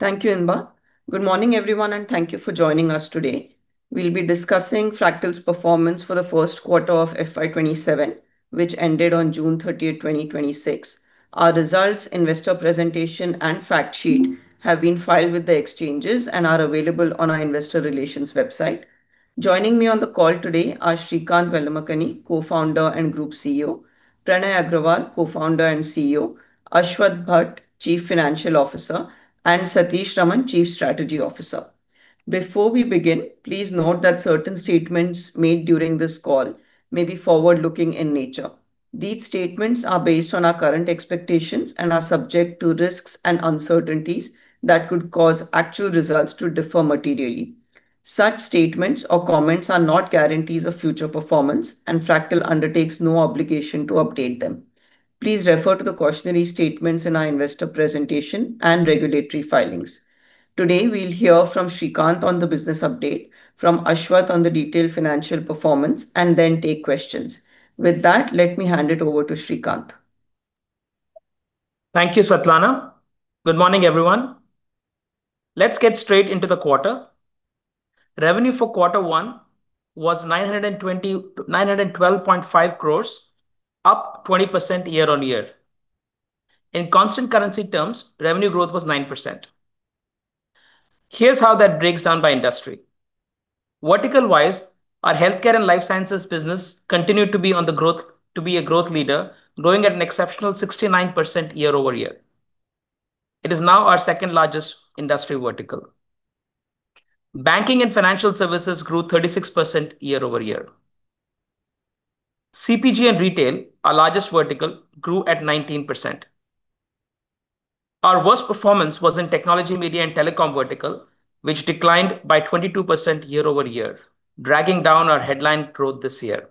Thank you, Inba. Good morning, everyone, and thank you for joining us today. We'll be discussing Fractal's performance for the first quarter of FY 2027, which ended on June 30th, 2026. Our results, investor presentation, and fact sheet have been filed with the exchanges and are available on our investor relations website. Joining me on the call today are Srikanth Velamakanni, Co-founder and Group CEO, Pranay Agrawal, Co-founder and CEO, Ashwath Bhat, Chief Financial Officer, and Satish Raman, Chief Strategy Officer. Before we begin, please note that certain statements made during this call may be forward-looking in nature. These statements are based on our current expectations and are subject to risks and uncertainties that could cause actual results to differ materially. Such statements or comments are not guarantees of future performance, and Fractal undertakes no obligation to update them. Please refer to the cautionary statements in our investor presentation and regulatory filings. Today, we'll hear from Srikanth on the business update, from Ashwath on the detailed financial performance, then take questions. With that, let me hand it over to Srikanth. Thank you, Svetlana. Good morning, everyone. Let's get straight into the quarter. Revenue for quarter one was 912.5 crore, up 20% year-over-year. In constant currency terms, revenue growth was 9%. Here's how that breaks down by industry. Vertical-wise, our healthcare and life sciences business continued to be a growth leader, growing at an exceptional 69% year-over-year. It is now our second-largest industry vertical. Banking and financial services grew 36% year-over-year. CPG and retail, our largest vertical, grew at 19%. Our worst performance was in technology, media, and telecom vertical, which declined by 22% year-over-year, dragging down our headline growth this year.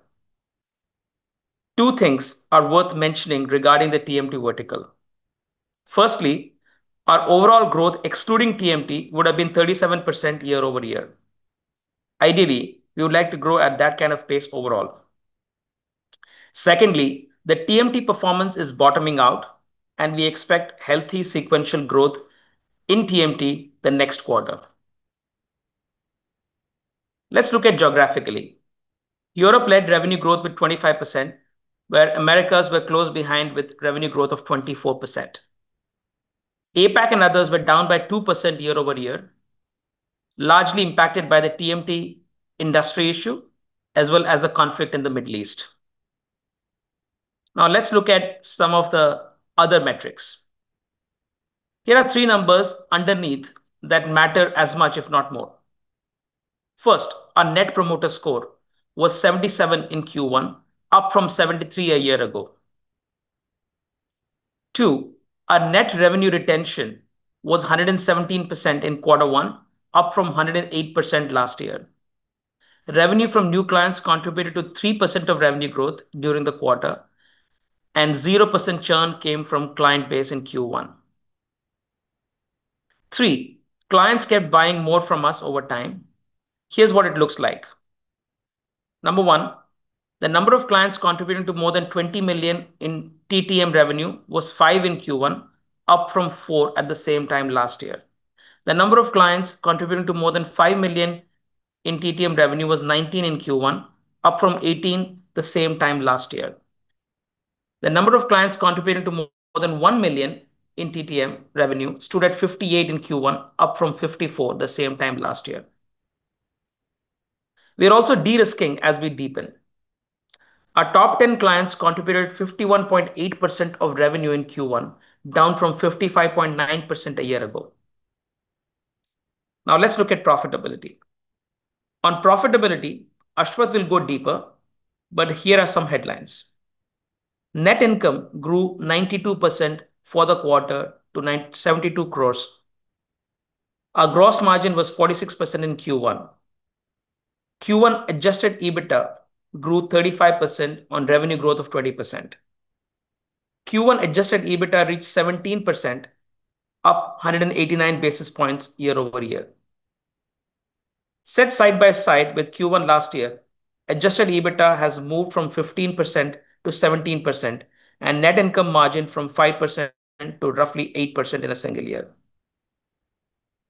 Two things are worth mentioning regarding the TMT vertical. Firstly, our overall growth excluding TMT would have been 37% year-over-year. Ideally, we would like to grow at that kind of pace overall. Secondly, the TMT performance is bottoming out. We expect healthy sequential growth in TMT the next quarter. Let's look at geographically. Europe led revenue growth with 25%, where Americas were close behind with revenue growth of 24%. APAC and others were down by 2% year-over-year, largely impacted by the TMT industry issue as well as the conflict in the Middle East. Let's look at some of the other metrics. Here are three numbers underneath that matter as much, if not more. First, our Net Promoter Score was 77 in Q1, up from 73 a year ago. Two, our net revenue retention was 117% in Q1, up from 108% last year. Revenue from new clients contributed to 3% of revenue growth during the quarter. 0% churn came from client base in Q1. Three, clients kept buying more from us over time. Here's what it looks like. Number one, the number of clients contributing to more than 20 million in TTM revenue was five in Q1, up from four at the same time last year. The number of clients contributing to more than 5 million in TTM revenue was 19 in Q1, up from 18 the same time last year. The number of clients contributing to more than 1 million in TTM revenue stood at 58 in Q1, up from 54 the same time last year. We are also de-risking as we deepen. Our top 10 clients contributed 51.8% of revenue in Q1, down from 55.9% a year ago. Let's look at profitability. On profitability, Ashwath will go deeper, but here are some headlines. Net income grew 92% for the quarter to 72 crore. Our gross margin was 46% in Q1. Q1 adjusted EBITDA grew 35% on revenue growth of 20%. Q1 adjusted EBITDA reached 17%, up 189 basis points year-over-year. Set side by side with Q1 last year, adjusted EBITDA has moved from 15% to 17%, and net income margin from 5% to roughly 8% in a single year.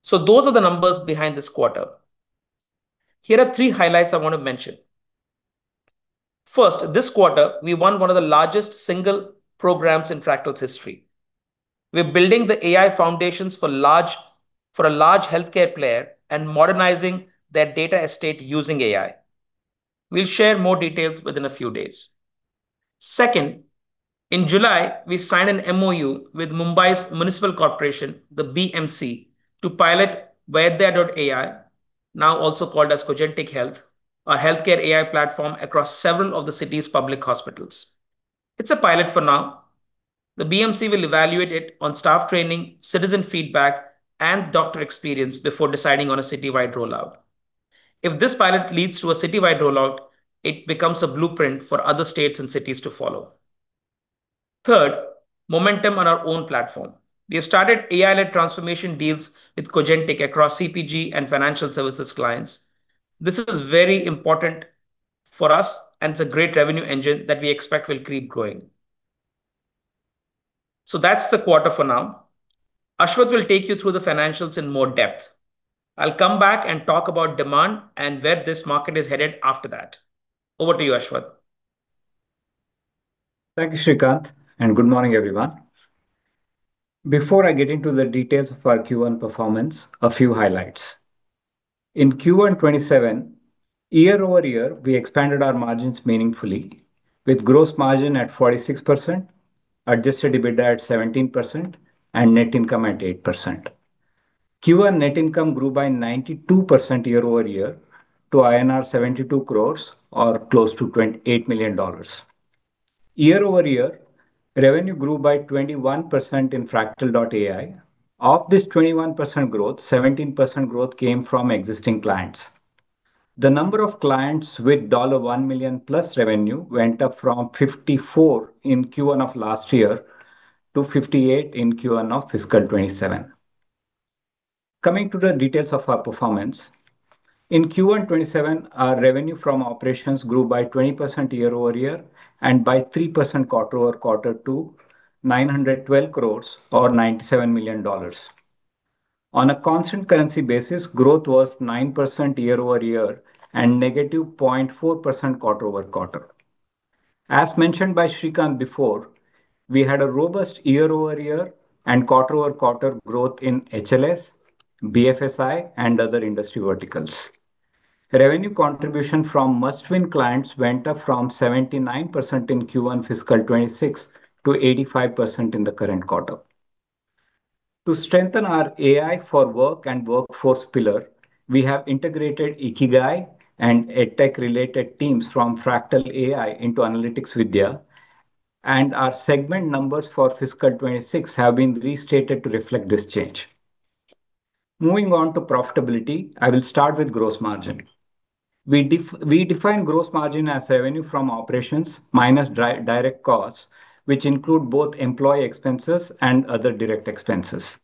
Those are the numbers behind this quarter. Here are three highlights I want to mention. First, this quarter, we won one of the largest single programs in Fractal's history. We're building the AI foundations for a large healthcare player and modernizing their data estate using AI. We'll share more details within a few days. Second, in July, we signed an MoU with Mumbai's Municipal Corporation, the BMC, to pilot Vaidya.ai, now also called as Cogentiq Health, our healthcare AI platform, across several of the city's public hospitals. It's a pilot for now. The BMC will evaluate it on staff training, citizen feedback, and doctor experience before deciding on a citywide rollout. If this pilot leads to a citywide rollout, it becomes a blueprint for other states and cities to follow. Third, momentum on our own platform. We have started AI-led transformation deals with Cogentiq across CPG and financial services clients. This is very important for us, and it's a great revenue engine that we expect will keep growing. That's the quarter for now. Ashwath will take you through the financials in more depth. I'll come back and talk about demand and where this market is headed after that. Over to you, Ashwath. Thank you, Srikanth, and good morning, everyone. Before I get into the details of our Q1 performance, a few highlights. In Q1 2027, year-over-year, we expanded our margins meaningfully with gross margin at 46%, adjusted EBITDA at 17%, and net income at 8%. Q1 net income grew by 92% year-over-year to INR 72 crore or close to $28 million. Year-over-year, revenue grew by 21% in Fractal.ai. Of this 21% growth, 17% growth came from existing clients. The number of clients with INR 1+ million revenue went up from 54 in Q1 of last year to 58 in Q1 of fiscal 2027. Coming to the details of our performance. In Q1 2027, our revenue from operations grew by 20% year-over-year and by 3% quarter-over-quarter to 912 crore or $97 million. On a constant currency basis, growth was 9% year-over-year and -0.4% quarter-over-quarter. As mentioned by Srikanth before, we had a robust year-over-year and quarter-over-quarter growth in HLS, BFSI, and other industry verticals. Revenue contribution from Must-Win clients went up from 79% in Q1 fiscal 2026 to 85% in the current quarter. To strengthen our AI for work and workforce pillar, we have integrated iqigai and EdTech-related teams from Fractal.ai into Analytics Vidhya, and our segment numbers for fiscal 2026 have been restated to reflect this change. Moving on to profitability, I will start with gross margin. We define gross margin as revenue from operations minus direct costs, which include both employee expenses and other direct expenses.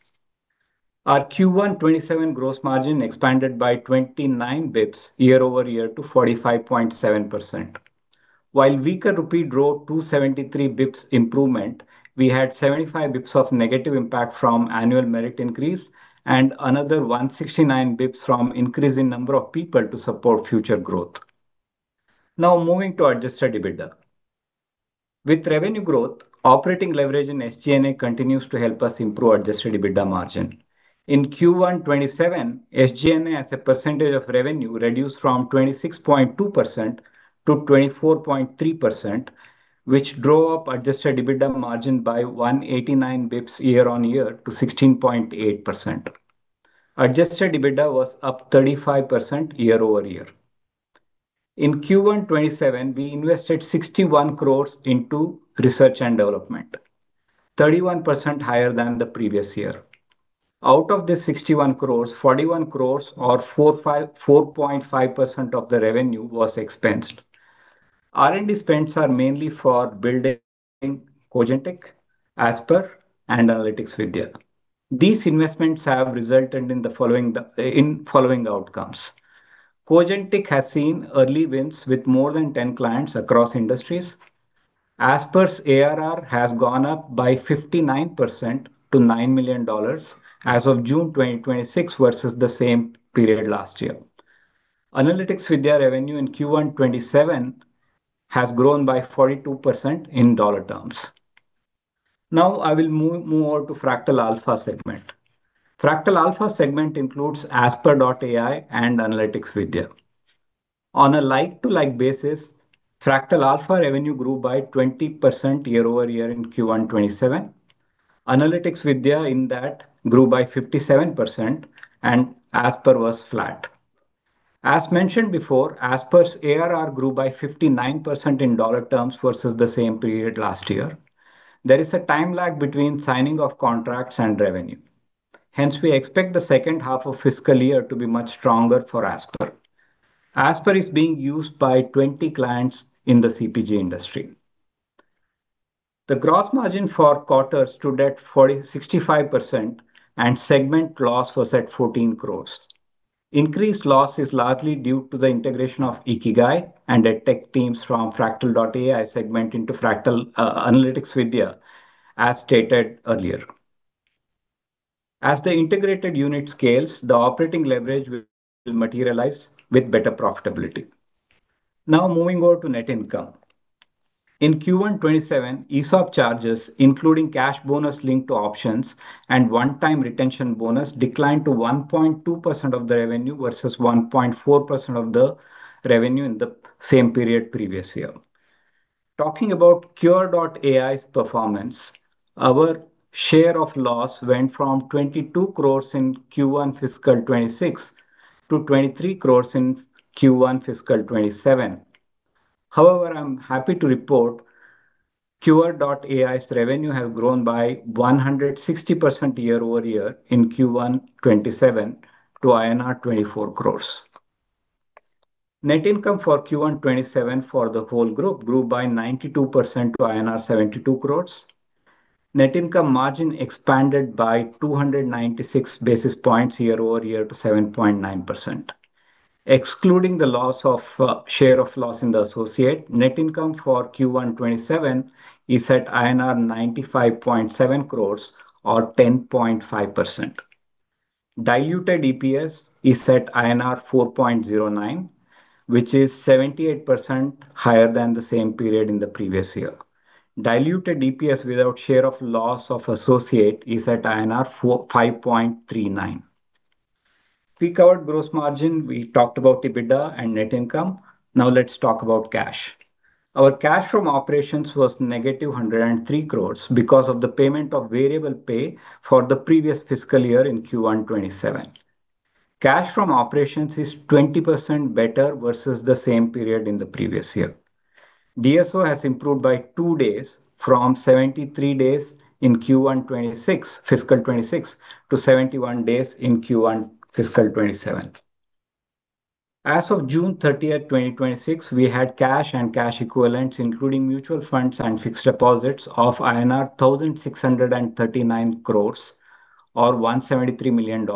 Our Q1 2027 gross margin expanded by 29 basis points year-over-year to 45.7%. While weaker rupee drove 273 basis points improvement, we had 75 basis points of negative impact from annual merit increase and another 169 basis points from increase in number of people to support future growth. Moving to adjusted EBITDA. With revenue growth, operating leverage in SG&A continues to help us improve adjusted EBITDA margin. In Q1 2027, SG&A as a percentage of revenue reduced from 26.2% to 24.3%, which drove up adjusted EBITDA margin by 189 basis points year-over-year to 16.8%. Adjusted EBITDA was up 35% year-over-year. In Q1 2027, we invested 61 crore into research and development, 31% higher than the previous year. Out of the 61 crore, 41 crore or 4.5% of the revenue was expensed. R&D spends are mainly for building Cogentiq, Asper, and Analytics Vidhya. These investments have resulted in following outcomes. Cogentiq has seen early wins with more than 10 clients across industries. Asper's ARR has gone up by 59% to $9 million as of June 2026 versus the same period last year. Analytics Vidhya revenue in Q1 2027 has grown by 42% in dollar terms. I will move more to Fractal Alpha segment. Fractal Alpha segment includes Asper.ai and Analytics Vidhya. On a like-to-like basis, Fractal Alpha revenue grew by 20% year-over-year in Q1 2027. Analytics Vidhya in that grew by 57%, and Asper was flat. As mentioned before, Asper's ARR grew by 59% in dollar terms versus the same period last year. There is a time lag between signing of contracts and revenue. Hence, we expect the second half of fiscal year to be much stronger for Asper. Asper is being used by 20 clients in the CPG industry. The gross margin for quarter stood at 65%, and segment loss was at 14 crore. Increased loss is largely due to the integration of iqigai and EdTech teams from Fractal.ai segment into Analytics Vidhya, as stated earlier. As the integrated unit scales, the operating leverage will materialize with better profitability. Moving over to net income. In Q1 2027, ESOP charges, including cash bonus linked to options and one-time retention bonus, declined to 1.2% of the revenue versus 1.4% of the revenue in the same period previous year. Talking about Qure.ai's performance, our share of loss went from 22 crore in Q1 fiscal 2026 to 23 crore in Q1 fiscal 2027. I'm happy to report Qure.ai's revenue has grown by 160% year-over-year in Q1 2027 to INR 24 crore. Net income for Q1 2027 for the whole group grew by 92% to INR 72 crore. Net income margin expanded by 296 basis points year-over-year to 7.9%. Excluding the loss of share of loss in the associate, net income for Q1 2027 is at INR 95.7 crore or 10.5%. Diluted EPS is at INR 4.09, which is 78% higher than the same period in the previous year. Diluted EPS without share of loss of associate is at INR 5.39. We covered gross margin, we talked about EBITDA and net income. Let's talk about cash. Our cash from operations was negative 103 crore because of the payment of variable pay for the previous fiscal year in Q1 2027. Cash from operations is 20% better versus the same period in the previous year. DSO has improved by two days from 73 days in Q1 fiscal 2026 to 71 days in Q1 fiscal 2027. As of June 30th, 2026, we had cash and cash equivalents, including mutual funds and fixed deposits of INR 1,639 crore or $173 million,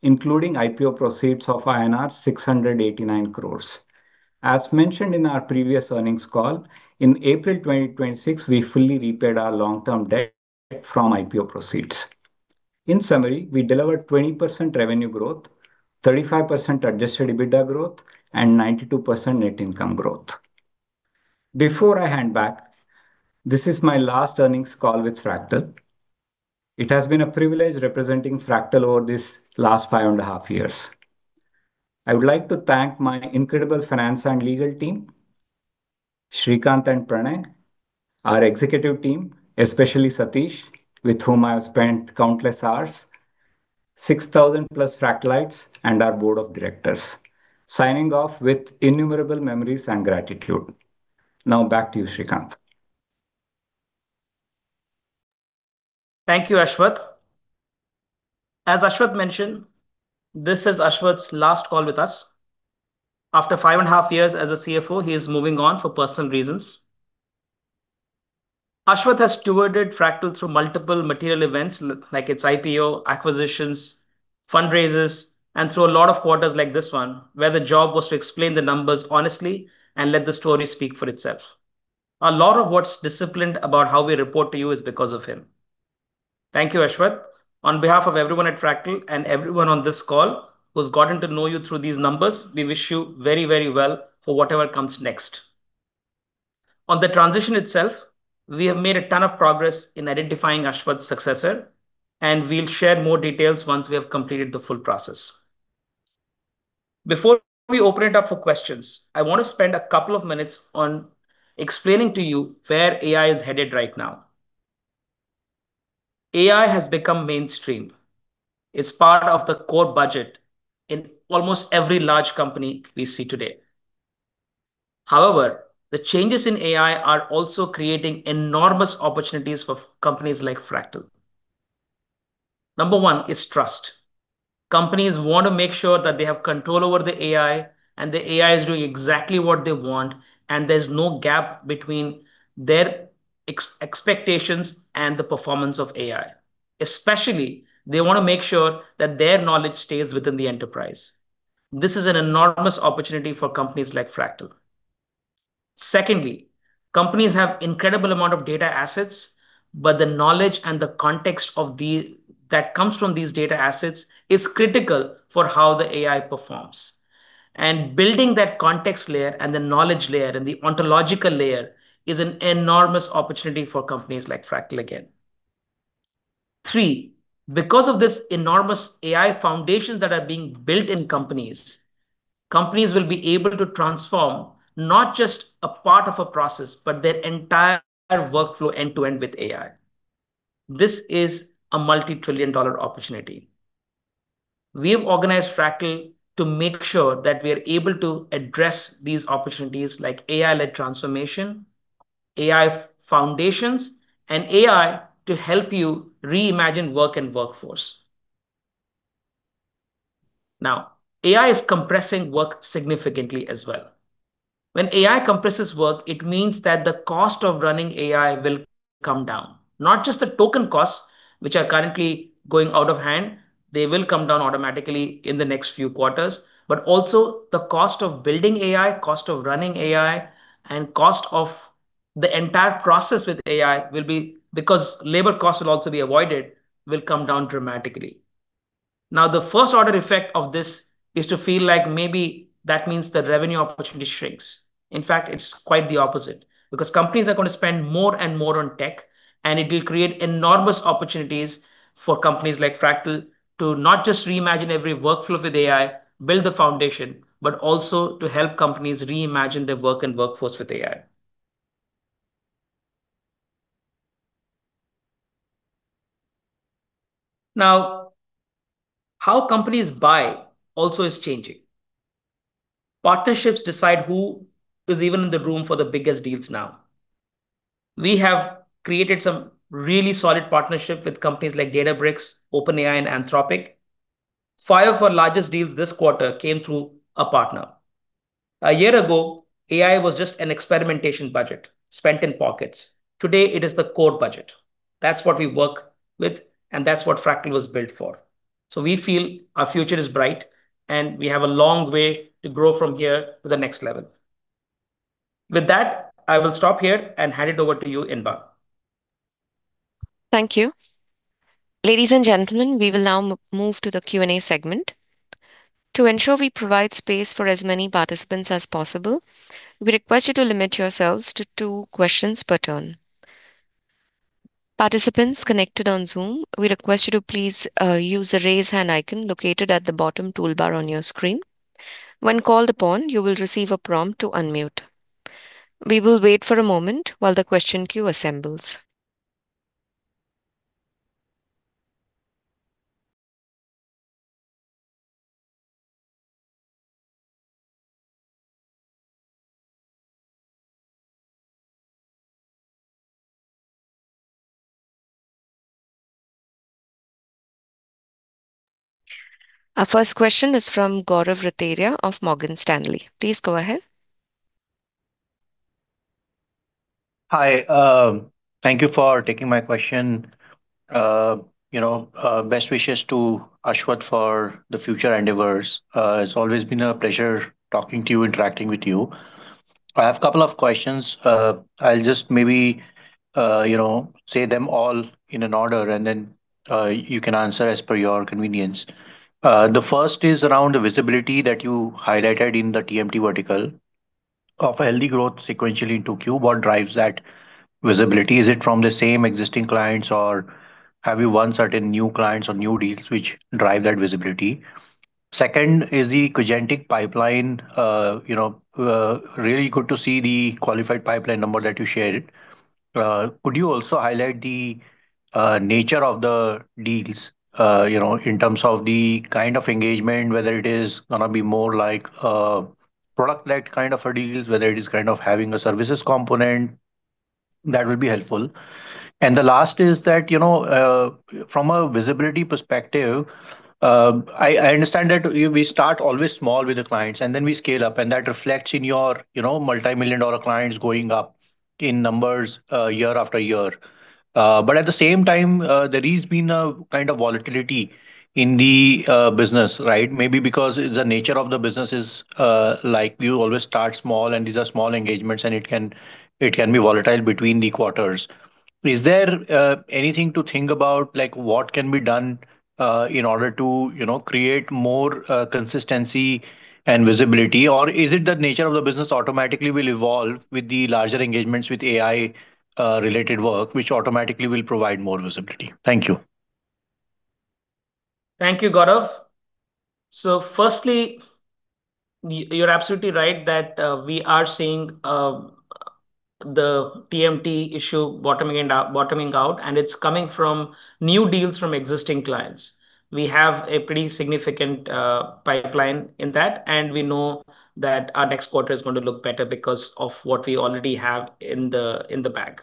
including IPO proceeds of INR 689 crore. As mentioned in our previous earnings call, in April 2026, we fully repaid our long-term debt from IPO proceeds. In summary, we delivered 20% revenue growth, 35% adjusted EBITDA growth, and 92% net income growth. Before I hand back, this is my last earnings call with Fractal. It has been a privilege representing Fractal over this last 5.5 years. I would like to thank my incredible finance and legal team, Srikanth and Pranay, our executive team, especially Satish, with whom I have spent countless hours, 6,000+ Fractalites, and our Board of Directors. Signing off with innumerable memories and gratitude. Back to you, Srikanth. Thank you, Ashwath. As Ashwath mentioned, this is Ashwath's last call with us. After 5.5 years as a CFO, he is moving on for personal reasons. Ashwath has stewarded Fractal through multiple material events like its IPO, acquisitions, fundraisers, and through a lot of quarters like this one, where the job was to explain the numbers honestly and let the story speak for itself. A lot of what's disciplined about how we report to you is because of him. Thank you, Ashwath. On behalf of everyone at Fractal and everyone on this call who's gotten to know you through these numbers, we wish you very well for whatever comes next. On the transition itself, we have made a ton of progress in identifying Ashwath's successor, and we'll share more details once we have completed the full process. Before we open it up for questions, I want to spend a couple of minutes on explaining to you where AI is headed right now. AI has become mainstream. It's part of the core budget in almost every large company we see today. However, the changes in AI are also creating enormous opportunities for companies like Fractal. Number one is trust. Companies want to make sure that they have control over the AI, and the AI is doing exactly what they want, and there's no gap between their expectations and the performance of AI. Especially, they want to make sure that their knowledge stays within the enterprise. This is an enormous opportunity for companies like Fractal. Secondly, companies have incredible amount of data assets, but the knowledge and the context that comes from these data assets is critical for how the AI performs. Building that context layer and the knowledge layer and the ontological layer is an enormous opportunity for companies like Fractal again. Three, because of this enormous AI foundations that are being built in companies will be able to transform not just a part of a process, but their entire workflow end-to-end with AI. This is a multi-trillion-dollar opportunity. We have organized Fractal to make sure that we are able to address these opportunities like AI-led transformation, AI foundations, and AI to help you reimagine work and workforce. AI is compressing work significantly as well. When AI compresses work, it means that the cost of running AI will come down. Not just the token costs, which are currently going out of hand. They will come down automatically in the next few quarters, but also the cost of building AI, cost of running AI, and cost of the entire process with AI, because labor cost will also be avoided, will come down dramatically. The first order effect of this is to feel like maybe that means the revenue opportunity shrinks. In fact, it is quite the opposite. Companies are going to spend more and more on tech, and it will create enormous opportunities for companies like Fractal to not just reimagine every workflow with AI, build the foundation, but also to help companies reimagine their work and workforce with AI. How companies buy also is changing. Partnerships decide who is even in the room for the biggest deals now. We have created some really solid partnership with companies like Databricks, OpenAI, and Anthropic. Five of our largest deals this quarter came through a partner. A year ago, AI was just an experimentation budget spent in pockets. Today, it is the core budget. That is what we work with, and that is what Fractal was built for. We feel our future is bright, and we have a long way to grow from here to the next level. With that, I will stop here and hand it over to you, Inba. Thank you. Ladies and gentlemen, we will now move to the Q&A segment. To ensure we provide space for as many participants as possible, we request you to limit yourselves to two questions per turn. Participants connected on Zoom, we request you to please use the raise hand icon located at the bottom toolbar on your screen. When called upon, you will receive a prompt to unmute. We will wait for a moment while the question queue assembles. Our first question is from Gaurav Rateria of Morgan Stanley. Please go ahead. Hi. Thank you for taking my question. Best wishes to Ashwath for the future endeavors. It has always been a pleasure talking to you, interacting with you. I have couple of questions. I will just maybe say them all in an order, then you can answer as per your convenience. The first is around the visibility that you highlighted in the TMT vertical of healthy growth sequentially in 2Q. What drives that visibility? Is it from the same existing clients, or have you won certain new clients or new deals which drive that visibility? Second is the Cogentiq pipeline. Really good to see the qualified pipeline number that you shared. Could you also highlight the nature of the deals in terms of the kind of engagement, whether it is going to be more like a product-led kind of a deals, whether it is kind of having a services component? That would be helpful. The last is that, from a visibility perspective, I understand that we start always small with the clients, then we scale up, and that reflects in your multimillion-dollar clients going up in numbers year-after-year. At the same time, there has been a kind of volatility in the business, right? Maybe because the nature of the business is like we always start small, and these are small engagements, and it can be volatile between the quarters. Is there anything to think about, like what can be done in order to create more consistency and visibility? Is it the nature of the business automatically will evolve with the larger engagements with AI-related work, which automatically will provide more visibility? Thank you. Thank you, Gaurav. Firstly, you are absolutely right that we are seeing the TMT issue bottoming out, and it is coming from new deals from existing clients. We have a pretty significant pipeline in that, and we know that our next quarter is going to look better because of what we already have in the bag.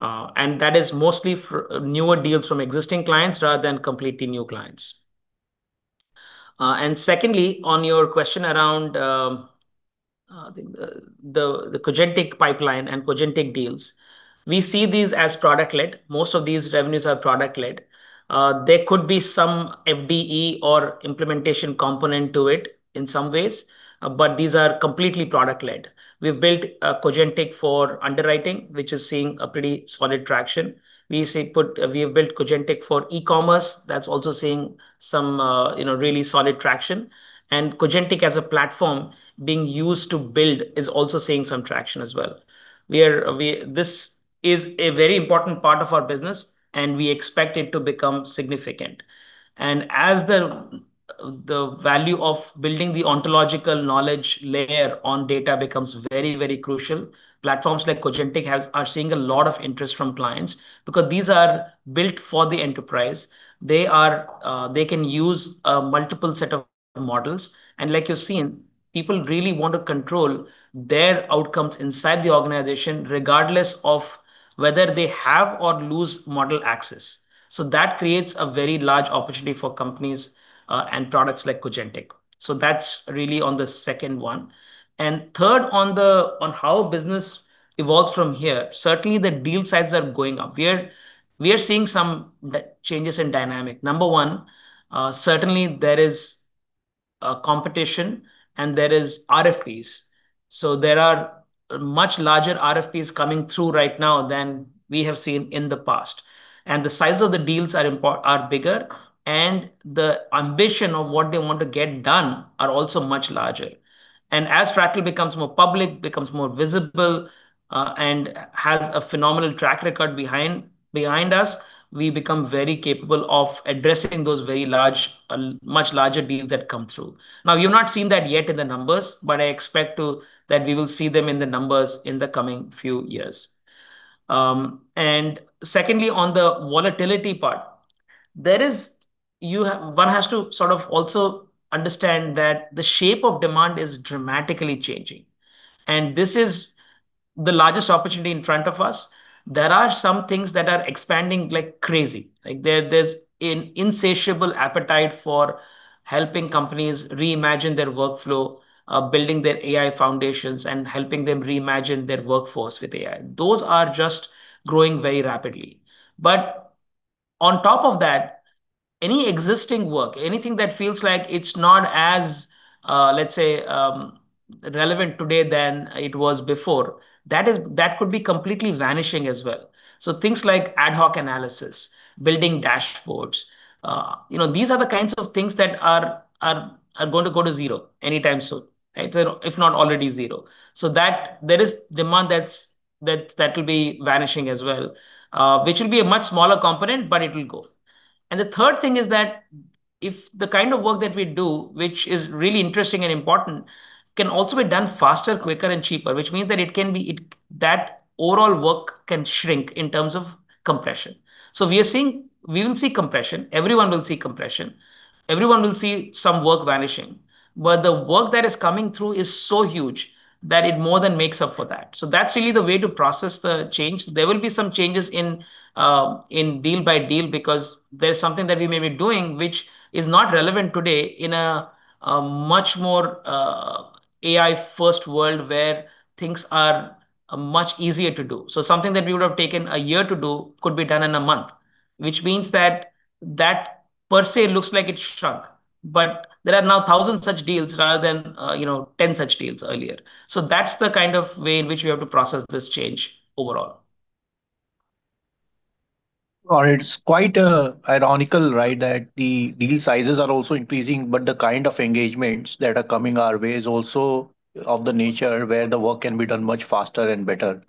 That is mostly newer deals from existing clients rather than completely new clients. Secondly, on your question around the Cogentiq pipeline and Cogentiq deals, we see these as product led. Most of these revenues are product led. There could be some FDE or implementation component to it in some ways, but these are completely product led. We have built Cogentiq for underwriting, which is seeing a pretty solid traction. We have built Cogentiq for e-commerce. That is also seeing some really solid traction. Cogentiq as a platform being used to build is also seeing some traction as well. This is a very important part of our business, and we expect it to become significant. As the value of building the ontological knowledge layer on data becomes very, very crucial, platforms like Cogentiq are seeing a lot of interest from clients because these are built for the enterprise. They can use a multiple set of models. Like you have seen, people really want to control their outcomes inside the organization, regardless of whether they have or lose model access. That creates a very large opportunity for companies and products like Cogentiq. That is really on the second one. Third on how business evolves from here. Certainly, the deal sizes are going up. We are seeing some changes in dynamic. Number one, certainly there is competition, and there is RFPs. There are much larger RFPs coming through right now than we have seen in the past. The size of the deals are bigger, and the ambition of what they want to get done are also much larger. As Fractal becomes more public, becomes more visible, and has a phenomenal track record behind us, we become very capable of addressing those very much larger deals that come through. You've not seen that yet in the numbers, but I expect that we will see them in the numbers in the coming few years. Secondly, on the volatility part, one has to sort of also understand that the shape of demand is dramatically changing. This is the largest opportunity in front of us. There are some things that are expanding like crazy. There's an insatiable appetite for helping companies reimagine their workflow, building their AI foundations, and helping them reimagine their workforce with AI. Those are just growing very rapidly. On top of that, any existing work, anything that feels like it's not as, let's say, relevant today than it was before, that could be completely vanishing as well. Things like ad hoc analysis, building dashboards, these are the kinds of things that are going to go to zero anytime soon. If not already zero. There is demand that will be vanishing as well, which will be a much smaller component, but it will go. The third thing is that if the kind of work that we do, which is really interesting and important, can also be done faster, quicker, and cheaper, which means that overall work can shrink in terms of compression. We will see compression, everyone will see compression. Everyone will see some work vanishing. The work that is coming through is so huge that it more than makes up for that. That's really the way to process the change. There will be some changes in deal by deal, because there's something that we may be doing which is not relevant today in a much more AI-first world where things are much easier to do. Something that we would have taken a year to do could be done in a month, which means that that per se looks like it shrunk, but there are now 1,000 such deals rather than 10 such deals earlier. That's the kind of way in which we have to process this change overall. It's quite ironical, right? The deal sizes are also increasing, the kind of engagements that are coming our way is also of the nature where the work can be done much faster and better.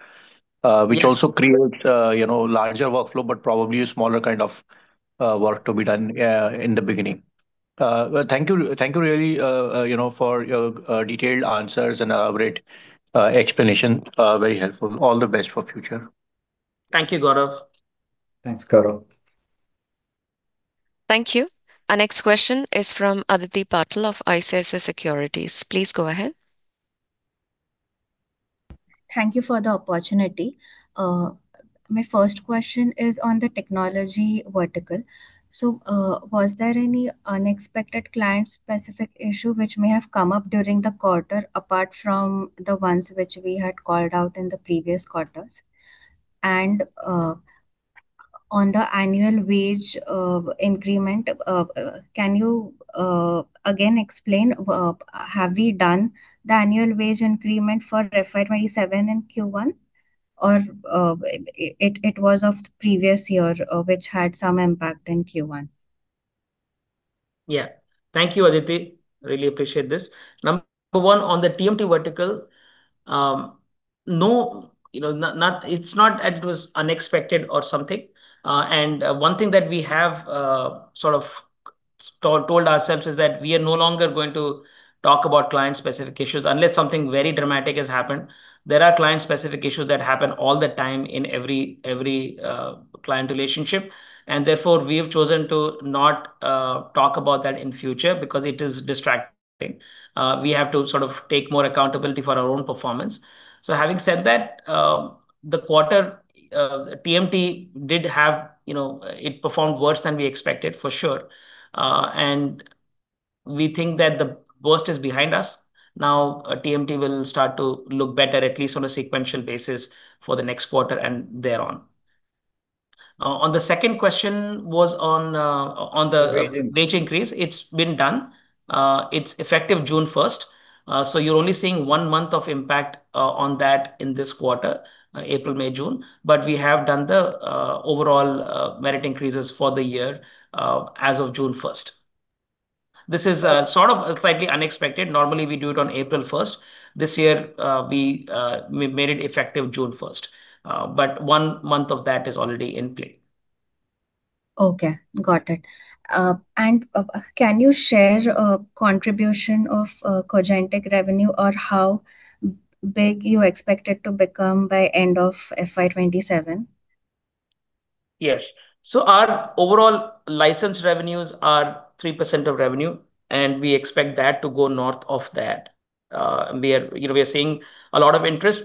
Yes. Which also creates larger workflow, but probably a smaller kind of work to be done, yeah, in the beginning. Thank you really for your detailed answers and great explanation. Very helpful. All the best for future. Thank you, Gaurav. Thanks, Gaurav. Thank you. Our next question is from Aditi Patil of ICICI Securities. Please go ahead. Thank you for the opportunity. My first question is on the technology vertical. Was there any unexpected client-specific issue which may have come up during the quarter apart from the ones which we had called out in the previous quarters? On the annual wage increment, can you again explain, have we done the annual wage increment for FY 2027 in Q1, or it was of the previous year, which had some impact in Q1? Thank you, Aditi. Really appreciate this. Number one, on the TMT vertical, it's not that it was unexpected or something. One thing that we have sort of told ourselves is that we are no longer going to talk about client-specific issues unless something very dramatic has happened. There are client-specific issues that happen all the time in every client relationship, and therefore, we have chosen to not talk about that in future because it is distracting. We have to sort of take more accountability for our own performance. Having said that, the quarter TMT did have. It performed worse than we expected, for sure. We think that the worst is behind us. Now TMT will start to look better, at least on a sequential basis for the next quarter and thereon. On the second question was on the wage increase. It's been done. It's effective June 1st. You're only seeing one month of impact on that in this quarter, April, May, June. We have done the overall merit increases for the year as of June 1st. This is sort of slightly unexpected. Normally, we do it on April 1st. This year, we made it effective June 1st. One month of that is already in play. Okay. Got it. Can you share contribution of Cogentiq revenue, or how big you expect it to become by end of FY 2027? Yes. Our overall license revenues are 3% of revenue. We expect that to go north of that. We are seeing a lot of interest,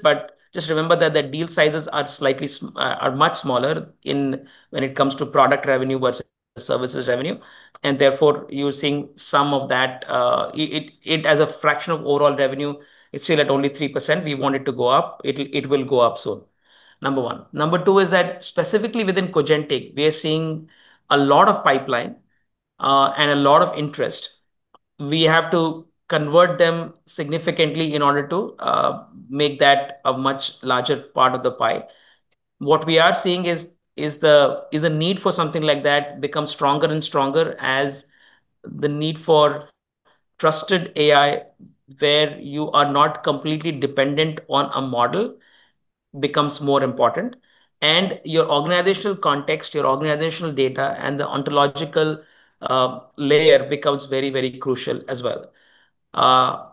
just remember that the deal sizes are much smaller when it comes to product revenue versus services revenue, and therefore you are seeing some of that. As a fraction of overall revenue, it's still at only 3%. We want it to go up. It will go up soon. Number one. Number two is that specifically within Cogentiq, we are seeing a lot of pipeline and a lot of interest. We have to convert them significantly in order to make that a much larger part of the pie. What we are seeing is the need for something like that becomes stronger and stronger as the need for trusted AI, where you are not completely dependent on a model, becomes more important. Your organizational context, your organizational data, and the ontological layer becomes very, very crucial as well.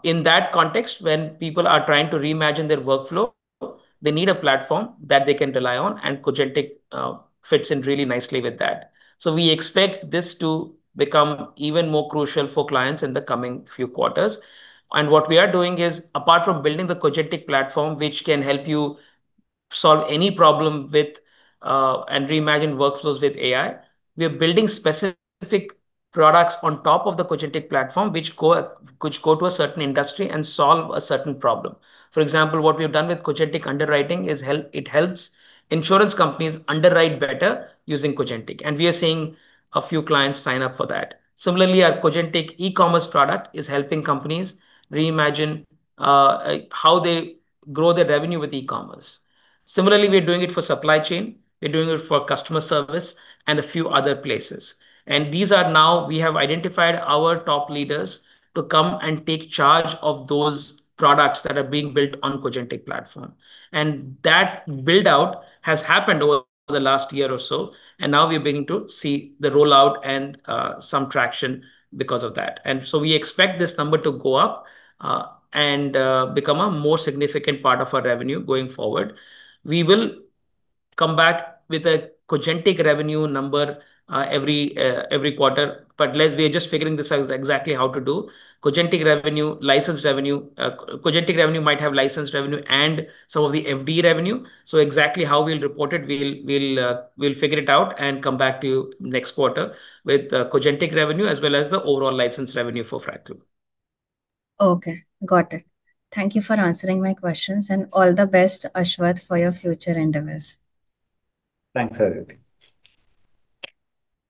In that context, when people are trying to reimagine their workflow, they need a platform that they can rely on, Cogentiq fits in really nicely with that. We expect this to become even more crucial for clients in the coming few quarters. What we are doing is, apart from building the Cogentiq platform, which can help you solve any problem with, and reimagine workflows with AI. We are building specific products on top of the Cogentiq platform which go to a certain industry and solve a certain problem. For example, what we've done with Cogentiq Underwriting is it helps insurance companies underwrite better using Cogentiq, and we are seeing a few clients sign up for that. Similarly, our Cogentiq e-commerce product is helping companies reimagine how they grow their revenue with e-commerce. Similarly, we are doing it for supply chain, we're doing it for customer service, and a few other places. These are now, we have identified our top leaders to come and take charge of those products that are being built on Cogentiq platform. That build-out has happened over the last year or so, and now we're beginning to see the rollout and some traction because of that. We expect this number to go up, and become a more significant part of our revenue going forward. We will come back with a Cogentiq revenue number every quarter, but we are just figuring this out exactly how to do. Cogentiq revenue, license revenue. Cogentiq revenue might have license revenue and some of the FD revenue. Exactly how we'll report it, we'll figure it out and come back to you next quarter with the Cogentiq revenue, as well as the overall license revenue for Fractal. Okay, got it. Thank you for answering my questions, and all the best, Ashwath, for your future endeavors. Thanks, Aditi.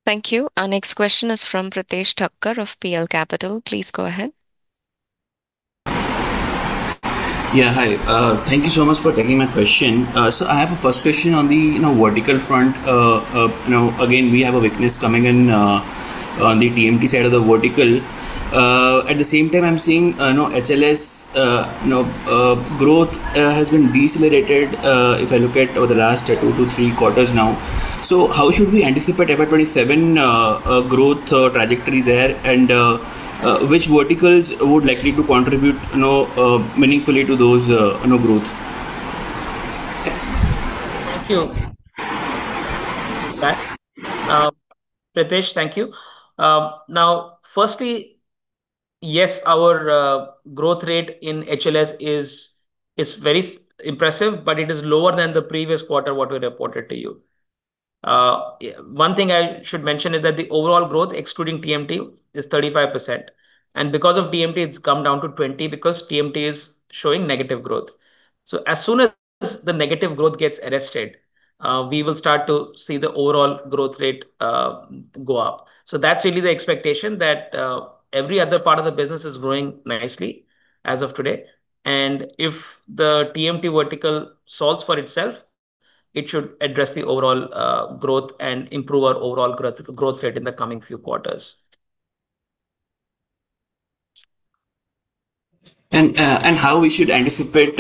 Thank you. Our next question is from Pritesh Thakkar of PL Capital. Please go ahead. Yeah, hi. Thank you so much for taking my question. I have a first question on the vertical front. Again, we have a weakness coming in on the TMT side of the vertical. At the same time, I'm seeing HLS growth has been decelerated, if I look at over the last two to three quarters now. How should we anticipate FY 2027 growth trajectory there, and which verticals would likely to contribute meaningfully to those growth? Thank you for that. Pritesh, thank you. Firstly, yes, our growth rate in HLS is very impressive, but it is lower than the previous quarter what we reported to you. One thing I should mention is that the overall growth, excluding TMT, is 35%. Because of TMT, it's come down to 20% because TMT is showing negative growth. As soon as the negative growth gets arrested, we will start to see the overall growth rate go up. That's really the expectation, that every other part of the business is growing nicely as of today. If the TMT vertical solves for itself, it should address the overall growth and improve our overall growth rate in the coming few quarters. How we should anticipate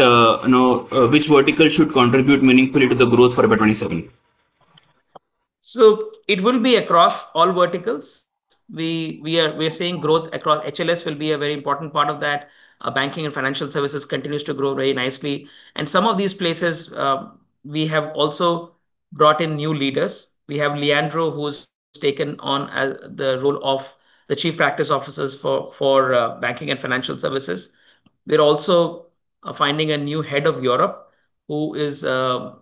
which vertical should contribute meaningfully to the growth for FY 2027? It will be across all verticals. We are seeing growth across. HLS will be a very important part of that. Our banking and financial services continues to grow very nicely. Some of these places, we have also brought in new leaders. We have Leandro, who's taken on the role of the Chief Practice Officer for banking and financial services. We are also finding a new head of Europe. We are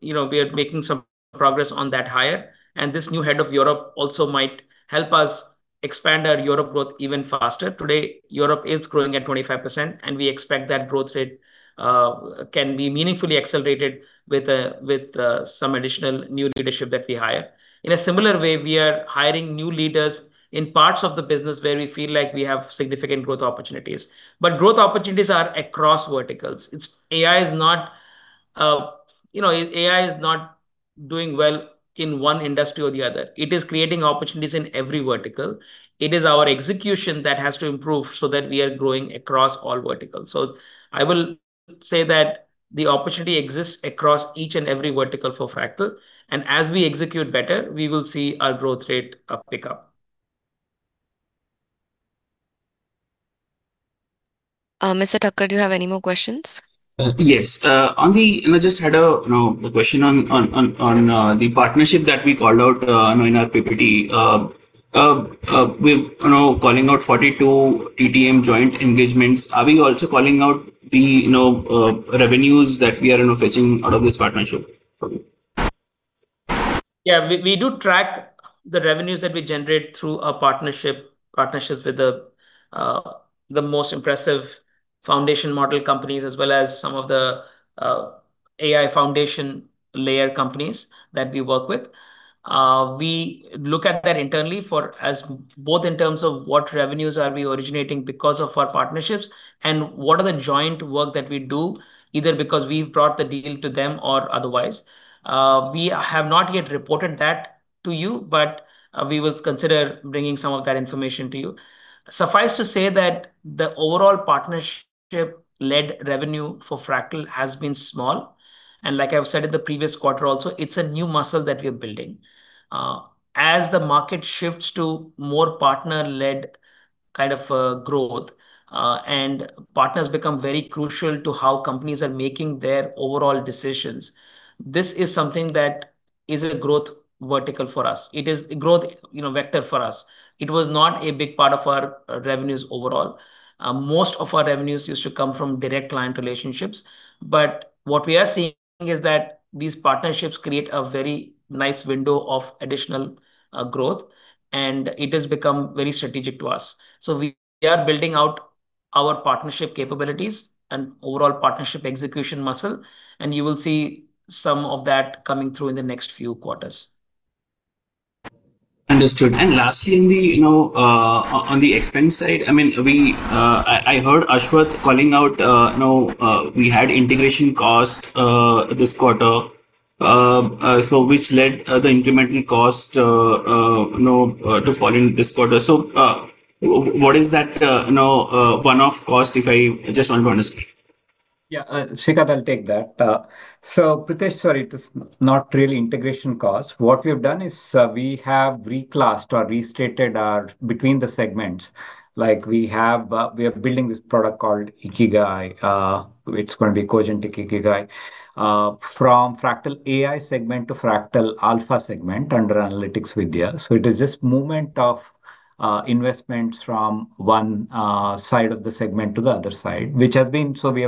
making some progress on that hire. This new head of Europe also might help us expand our Europe growth even faster. Today, Europe is growing at 25%, and we expect that growth rate can be meaningfully accelerated with some additional new leadership that we hire. In a similar way, we are hiring new leaders in parts of the business where we feel like we have significant growth opportunities. Growth opportunities are across verticals. AI is not doing well in one industry or the other. It is creating opportunities in every vertical. It is our execution that has to improve so that we are growing across all verticals. I will say that the opportunity exists across each and every vertical for Fractal. As we execute better, we will see our growth rate pick up. Mr. Thakkar, do you have any more questions? Yes. I just had a question on the partnership that we called out in our PPT. We're calling out 42 TTM joint engagements. Are we also calling out the revenues that we are fetching out of this partnership? We do track the revenues that we generate through our partnerships with the most impressive foundation model companies as well as some of the AI foundation layer companies that we work with. We look at that internally both in terms of what revenues are we originating because of our partnerships, and what are the joint work that we do, either because we've brought the deal to them or otherwise. We have not yet reported that to you, but we will consider bringing some of that information to you. Suffice to say that the overall partnership-led revenue for Fractal has been small. Like I've said in the previous quarter also, it's a new muscle that we are building. As the market shifts to more partner-led kind of growth, and partners become very crucial to how companies are making their overall decisions. This is something that is a growth vertical for us. It is a growth vector for us. It was not a big part of our revenues overall. Most of our revenues used to come from direct client relationships. What we are seeing is that these partnerships create a very nice window of additional growth, and it has become very strategic to us. We are building out our partnership capabilities and overall partnership execution muscle, and you will see some of that coming through in the next few quarters. Understood. Lastly, on the expense side, I heard Ashwath calling out we had integration cost this quarter, which led the incremental cost to fall in this quarter. What is that one-off cost, if I just want to understand? Yeah. Srikanth, I'll take that. Pritesh, sorry, it is not really integration cost. What we have done is we have reclassed or restated between the segments. We are building this product called iqigai. It's going to be Cogentiq iqigai. From Fractal.ai segment to Fractal Alpha segment under Analytics Vidhya. It is just movement of investments from one side of the segment to the other side. We have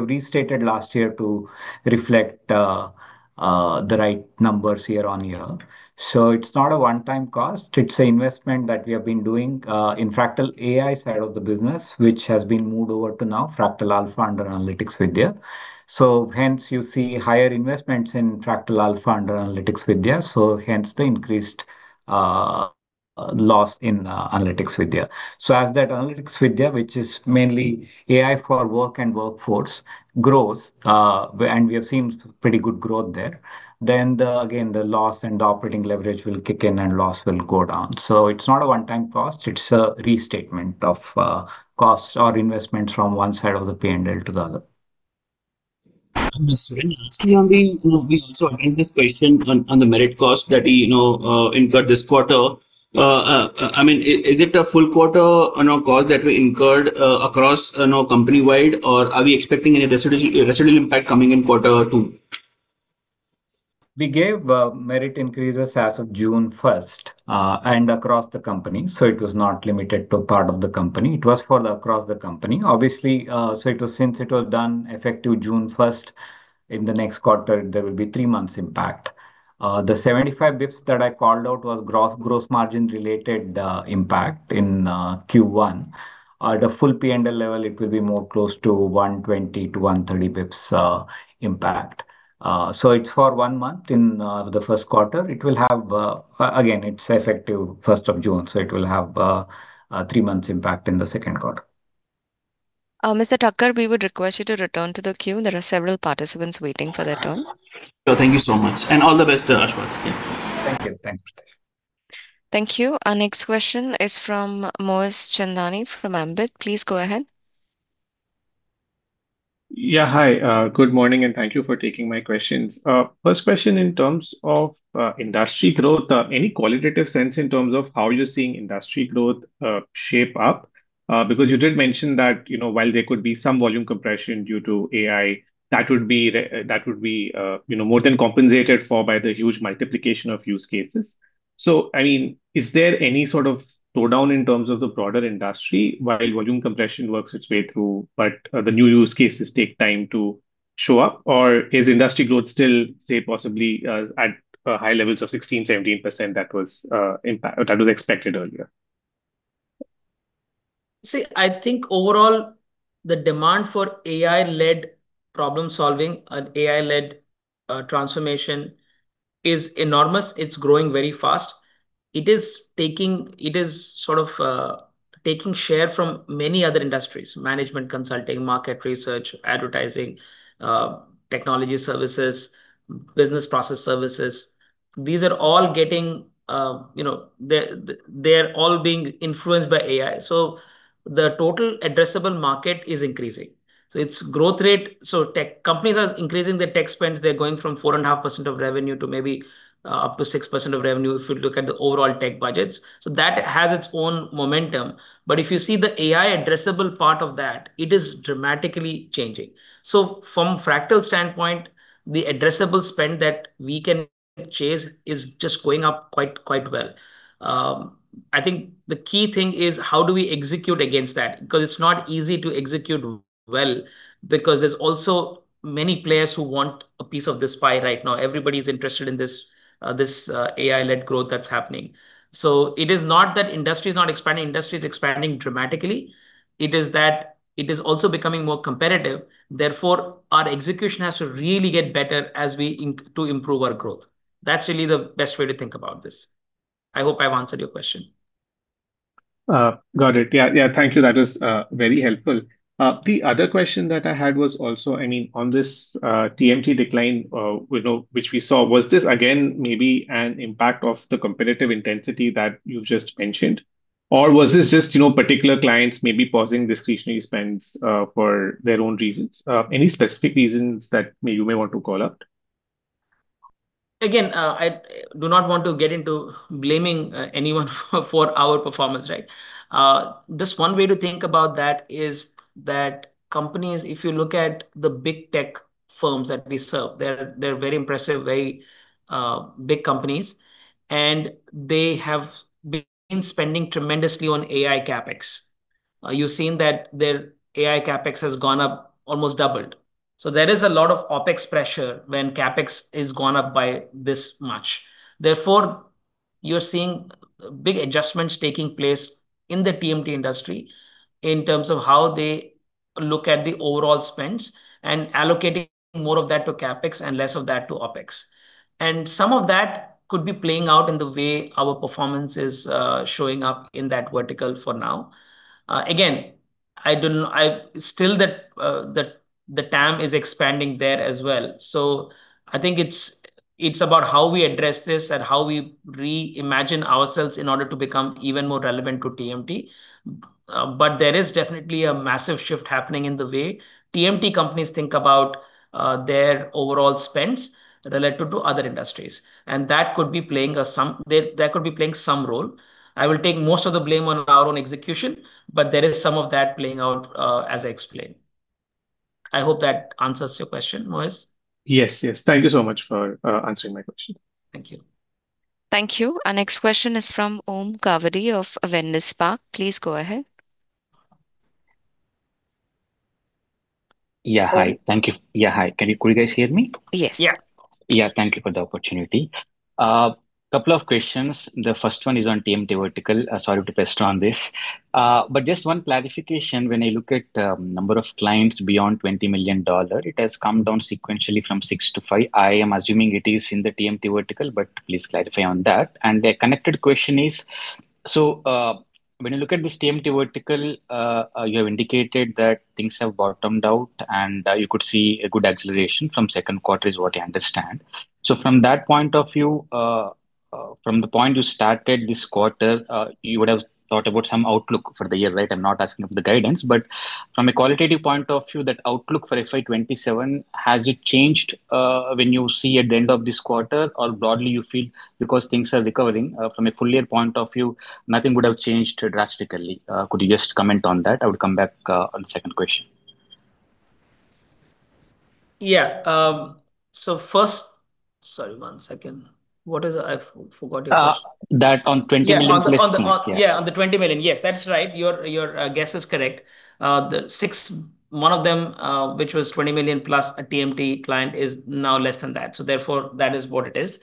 restated last year to reflect the right numbers year-on-year. It's not a one-time cost. It's a investment that we have been doing in Fractal.ai side of the business, which has been moved over to now Fractal Alpha under Analytics Vidhya. Hence you see higher investments in Fractal Alpha under Analytics Vidhya, hence the increased loss in Analytics Vidhya. As that Analytics Vidhya, which is mainly AI for work and workforce grows, we have seen pretty good growth there. Again, the loss and operating leverage will kick in, loss will go down. It's not a one-time cost, it's a restatement of costs or investments from one side of the P&L to the other. Understood. Lastly, we also raised this question on the merit cost that we incurred this quarter. Is it a full quarter on our cost that we incurred across company-wide, or are we expecting any residual impact coming in quarter two? We gave merit increases as of June 1st and across the company. It was not limited to a part of the company. It was for across the company. Since it was done effective June 1st, in the next quarter, there will be three months impact. The 75 basis points that I called out was gross margin-related impact in Q1. The full P&L level, it will be more close to 120 basis points-130 basis points impact. It is for one month in the first quarter. Again, it is effective 1st of June, so it will have three months impact in the second quarter. Mr. Thakkar, we would request you to return to the queue. There are several participants waiting for their turn. Thank you so much. All the best to Ashwath. Yeah. Thank you. Thanks, Pritesh. Thank you. Our next question is from Moez Chandani from Ambit. Please go ahead. Hi, good morning, and thank you for taking my questions. First question in terms of industry growth. Any qualitative sense in terms of how you're seeing industry growth shape up? You did mention that while there could be some volume compression due to AI, that would be more than compensated for by the huge multiplication of use cases. Is there any sort of slowdown in terms of the broader industry while volume compression works its way through, but the new use cases take time to show up? Is industry growth still, say, possibly at high levels of 16%-17% that was expected earlier? I think overall, the demand for AI-led problem-solving and AI-led transformation is enormous. It's growing very fast. It is sort of taking share from many other industries. Management consulting, market research, advertising, technology services, business process services. They're all being influenced by AI. The total addressable market is increasing. Its growth rate. Tech companies are increasing their tech spends. They're going from 4.5% of revenue to maybe up to 6% of revenue, if you look at the overall tech budgets. That has its own momentum. If you see the AI addressable part of that, it is dramatically changing. From Fractal standpoint, the addressable spend that we can chase is just going up quite well. I think the key thing is how do we execute against that? It's not easy to execute well, because there's also many players who want a piece of this pie right now. Everybody's interested in this AI-led growth that's happening. It is not that industry is not expanding. Industry is expanding dramatically. It is that it is also becoming more competitive. Therefore, our execution has to really get better to improve our growth. That's really the best way to think about this. I hope I've answered your question. Got it. Yeah. Thank you. That is very helpful. The other question that I had was also, on this TMT decline which we saw. Was this again maybe an impact of the competitive intensity that you just mentioned, or was this just particular clients maybe pausing discretionary spends for their own reasons? Any specific reasons that you may want to call out? I do not want to get into blaming anyone for our performance, right? Just one way to think about that is that companies, if you look at the big tech firms that we serve, they're very impressive, very big companies, and they have been spending tremendously on AI CapEx. You've seen that their AI CapEx has gone up, almost doubled. There is a lot of OpEx pressure when CapEx is gone up by this much. Therefore, you're seeing big adjustments taking place in the TMT industry in terms of how they look at the overall spends and allocating more of that to CapEx and less of that to OpEx. Some of that could be playing out in the way our performance is showing up in that vertical for now. Again, still the TAM is expanding there as well. I think it's about how we address this and how we reimagine ourselves in order to become even more relevant to TMT. There is definitely a massive shift happening in the way TMT companies think about their overall spends relative to other industries. That could be playing some role. I will take most of the blame on our own execution, but there is some of that playing out, as I explained. I hope that answers your question, Moez. Yes. Thank you so much for answering my question. Thank you. Thank you. Our next question is from Om Kavadi of Avendus Spark. Please go ahead. Hi. Thank you. Hi. Could you guys hear me? Yes. Yeah. Thank you for the opportunity. A couple of questions. The first one is on TMT vertical. Sorry to pester on this. Just one clarification, when I look at number of clients beyond INR 20 million, it has come down sequentially from six to five. I am assuming it is in the TMT vertical, but please clarify on that. A connected question is, when you look at this TMT vertical, you have indicated that things have bottomed out, and you could see a good acceleration from second quarter, is what I understand. From that point of view, from the point you started this quarter, you would have thought about some outlook for the year, right? I am not asking of the guidance, but from a qualitative point of view, that outlook for FY 2027, has it changed when you see at the end of this quarter? Broadly, you feel because things are recovering from a full-year point of view, nothing would have changed drastically. Could you just comment on that? I would come back on the second question. Yeah. First Sorry, one second. What is it? I forgot your question. That on 20+ million. Yeah. On the 20 million. Yes. That's right. Your guess is correct. The six, one of them which was 20+ million, a TMT client, is now less than that. Therefore, that is what it is.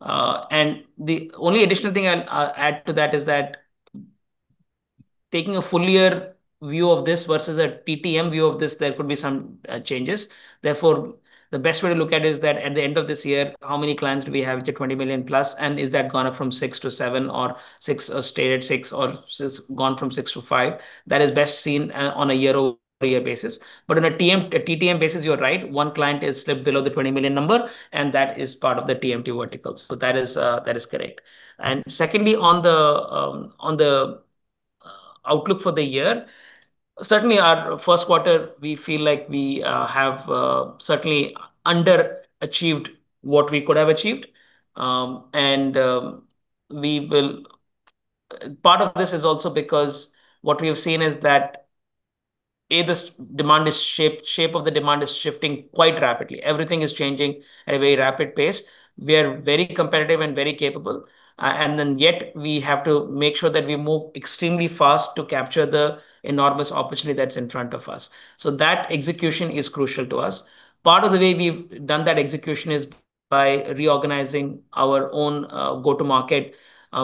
The only additional thing I'll add to that is that taking a full-year view of this versus a TTM view of this, there could be some changes. Therefore, the best way to look at it is that at the end of this year, how many clients do we have which are 20+ million, and is that gone up from six to seven, or stayed at six, or gone from six to five? That is best seen on a year-over-year basis. On a TTM basis, you are right. One client has slipped below the 20 million number, and that is part of the TMT vertical. That is correct. Secondly, on the outlook for the year, certainly our first quarter, we feel like we have certainly underachieved what we could have achieved. Part of this is also because what we have seen is that the shape of the demand is shifting quite rapidly. Everything is changing at a very rapid pace. We are very competitive and very capable, yet we have to make sure that we move extremely fast to capture the enormous opportunity that's in front of us. That execution is crucial to us. Part of the way we've done that execution is by reorganizing our own go-to-market,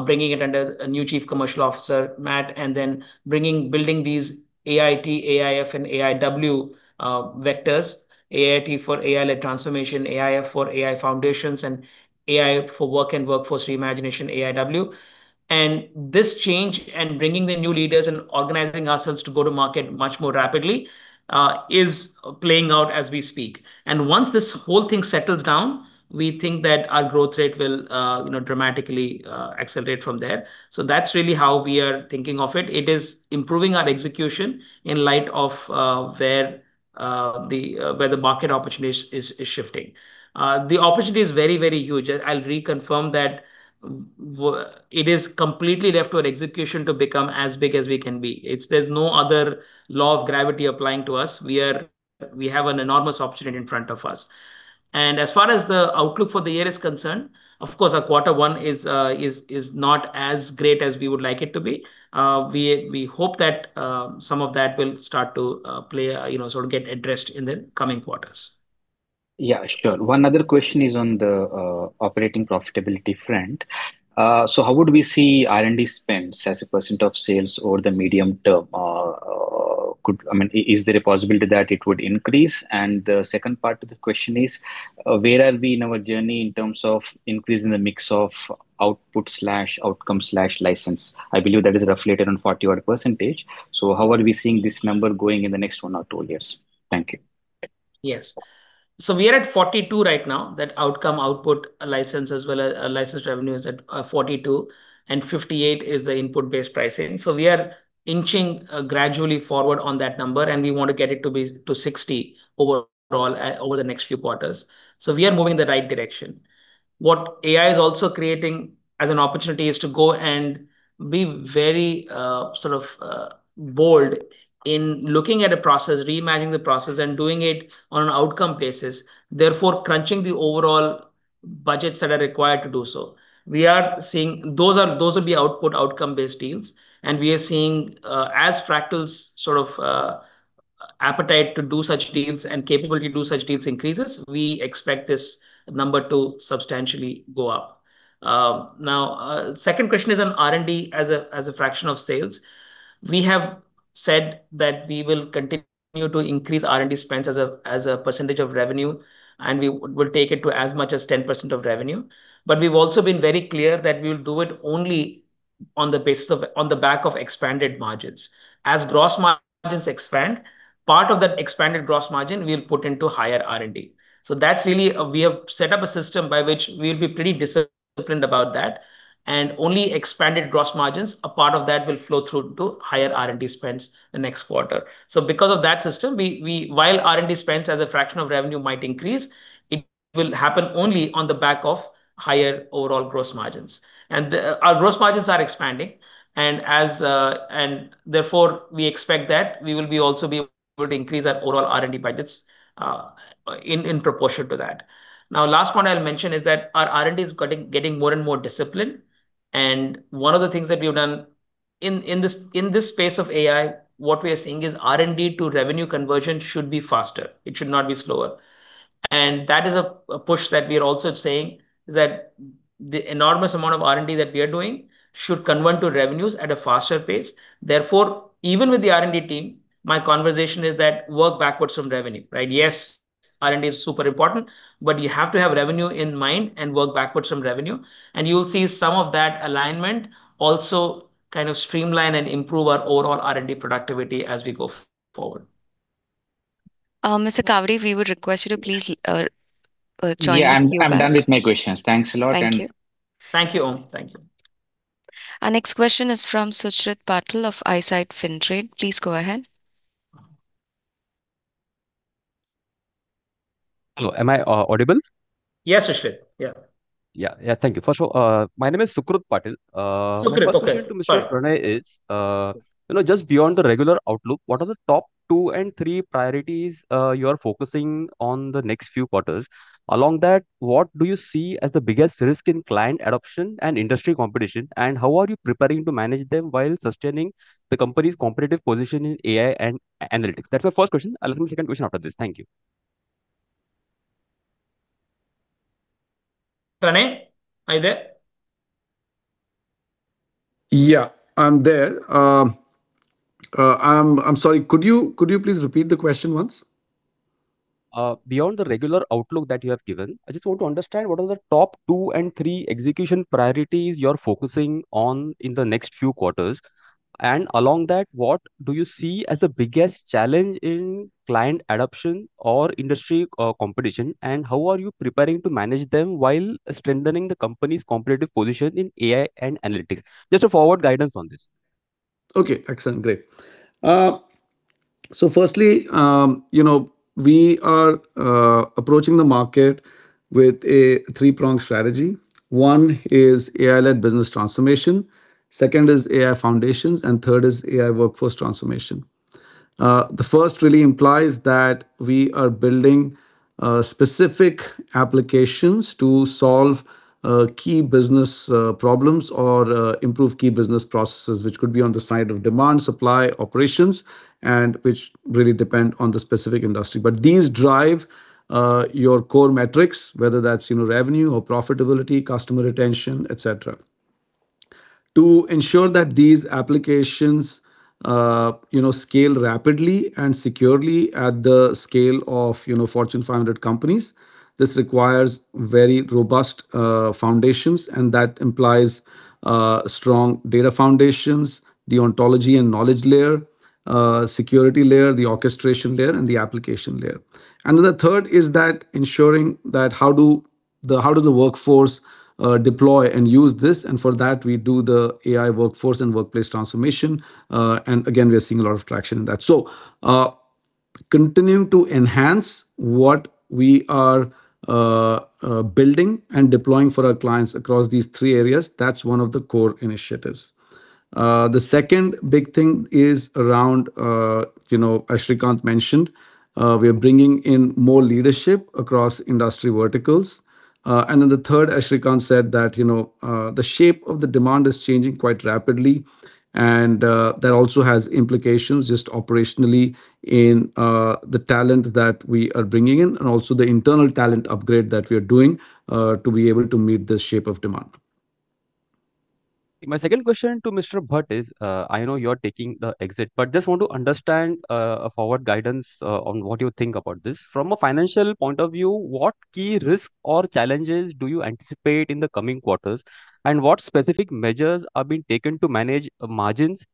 bringing it under a new Chief Commercial Officer, Matt, and then building these AIT, AIF, and AIW vectors. AIT for AI-led transformation, AIF for AI foundations, and AI for work and workforce reimagination, AIW. This change, and bringing the new leaders, and organizing ourselves to go to market much more rapidly, is playing out as we speak. Once this whole thing settles down, we think that our growth rate will dramatically accelerate from there. That's really how we are thinking of it. It is improving our execution in light of where the market opportunity is shifting. The opportunity is very, very huge, and I'll reconfirm that it is completely left to our execution to become as big as we can be. There's no other law of gravity applying to us. We have an enormous opportunity in front of us. As far as the outlook for the year is concerned, of course, our quarter one is not as great as we would like it to be. We hope that some of that will start to get addressed in the coming quarters. Sure. One other question is on the operating profitability front. How would we see R&D spends as a percent of sales over the medium term? Is there a possibility that it would increase? The second part to the question is, where are we in our journey in terms of increasing the mix of output/outcome/license? I believe that is roughly around odd-40%. How are we seeing this number going in the next one or two years? Thank you. Yes. We are at 42% right now. That outcome output license as well as license revenue is at 42%, and 58% is the input-based pricing. We are inching gradually forward on that number, and we want to get it to 60% overall over the next few quarters. We are moving in the right direction. What AI is also creating as an opportunity is to go and be very bold in looking at a process, reimagining the process, and doing it on an outcome basis, therefore crunching the overall budgets that are required to do so. Those will be output outcome-based deals, and we are seeing, as Fractal's appetite to do such deals and capability to do such deals increases, we expect this number to substantially go up. Now, second question is on R&D as a fraction of sales. We have said that we will continue to increase R&D spends as a percentage of revenue, and we will take it to as much as 10% of revenue. We've also been very clear that we will do it only on the back of expanded margins. As gross margins expand, part of that expanded gross margin we'll put into higher R&D. We have set up a system by which we'll be pretty disciplined about that, and only expanded gross margins, a part of that will flow through to higher R&D spends the next quarter. Because of that system, while R&D spends as a fraction of revenue might increase, it will happen only on the back of higher overall gross margins. Our gross margins are expanding, and therefore, we expect that we will also be able to increase our overall R&D budgets in proportion to that. Last point I'll mention is that our R&D is getting more and more disciplined. One of the things that we've done in this space of AI, what we are seeing is R&D to revenue conversion should be faster. It should not be slower. That is a push that we are also saying, is that the enormous amount of R&D that we are doing should convert to revenues at a faster pace. Therefore, even with the R&D team, my conversation is that work backwards from revenue, right? Yes, R&D is super important, but you have to have revenue in mind and work backwards from revenue, and you will see some of that alignment also kind of streamline and improve our overall R&D productivity as we go forward. Mr. Kavadi, we would request you to please join the queue back. I'm done with my questions. Thanks a lot. Thank you. Thank you. Thank you. Our next question is from Sucrit Patil of Eyesight Fintrade. Please go ahead. Hello, am I audible? Yes, Sucrit. Yeah. Yeah. Thank you. First of all, my name is Sucrit Patil. Sucrit, okay. Sorry. My first question to Mr. Pranay is, just beyond the regular outlook, what are the top two and three priorities you are focusing on the next few quarters? Along that, what do you see as the biggest risk in client adoption and industry competition, and how are you preparing to manage them while sustaining the company's competitive position in AI and analytics? That's my first question. I'll ask my second question after this. Thank you. Pranay, are you there? Yeah, I'm there. I'm sorry. Could you please repeat the question once? Beyond the regular outlook that you have given, I just want to understand what are the top two and three execution priorities you're focusing on in the next few quarters. Along that, what do you see as the biggest challenge in client adoption or industry competition, and how are you preparing to manage them while strengthening the company's competitive position in AI and analytics? Just a forward guidance on this. Okay. Excellent. Great. Firstly, we are approaching the market with a three-pronged strategy. One is AI-led business transformation, second is AI foundations, and third is AI workforce transformation. The first really implies that we are building specific applications to solve key business problems or improve key business processes, which could be on the side of demand, supply, operations, and which really depend on the specific industry. These drive your core metrics, whether that's revenue or profitability, customer retention, et cetera. To ensure that these applications scale rapidly and securely at the scale of Fortune 500 companies, this requires very robust foundations. That implies strong data foundations, the ontology and knowledge layer, security layer, the orchestration layer, and the application layer. The third is that ensuring that how does the workforce deploy and use this? For that, we do the AI workforce and workplace transformation. Again, we are seeing a lot of traction in that. Continuing to enhance what we are building and deploying for our clients across these three areas, that's one of the core initiatives. The second big thing is around, as Srikanth mentioned, we are bringing in more leadership across industry verticals. Then the third, as Srikanth said, that the shape of the demand is changing quite rapidly, and that also has implications just operationally in the talent that we are bringing in and also the internal talent upgrade that we are doing to be able to meet the shape of demand. My second question to Mr. Bhat is, I know you're taking the exit, just want to understand a forward guidance on what you think about this. From a financial point of view, what key risks or challenges do you anticipate in the coming quarters, and what specific measures are being taken to manage margins,